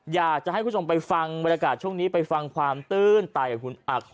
อยากจะให้คุณผู้ชมไปฟังบรรยากาศช่วงนี้ไปฟังความตื้นไตของคุณอัก